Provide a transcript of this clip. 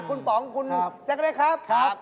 คุณป๋องคุณแจกเข้าได้ครับครับครับ